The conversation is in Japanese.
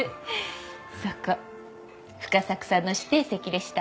そこ深作さんの指定席でした。